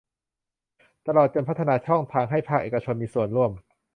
ตลอดจนพัฒนาช่องทางให้ภาคเอกชนมีส่วนร่วม